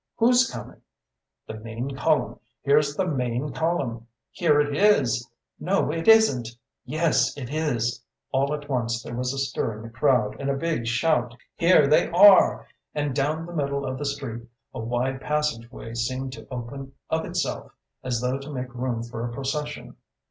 'Who's coming?' 'The main column here's the main column!' 'Here it is!' 'No, it isn't!' 'Yes, it is!' All at once there was a stir in the crowd, and a big shout, 'Here they are!' and down the middle of the street a wide passageway seemed to open of itself, as though to make room for a procession.